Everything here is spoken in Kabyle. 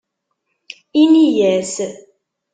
Ini-as.